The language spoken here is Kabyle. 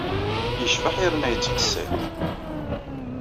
Yecbeḥ yerna yettqeṣṣir.